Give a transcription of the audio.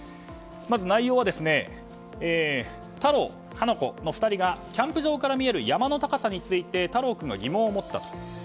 まず内容は、太郎、花子の２人がキャンプ場から見える山の高さについて太郎君が疑問を持ったと。